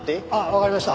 わかりました。